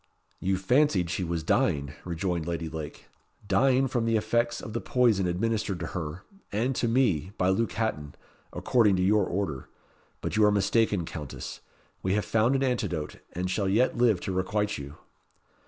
"You fancied she was dying," rejoined Lady Lake "dying from the effects of the poison administered to her and to me by Luke Hatton, according to your order; but you are mistaken, Countess. We have found an antidote, and shall yet live to requite you."